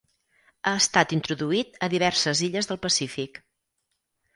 Ha estat introduït a diverses illes del Pacífic.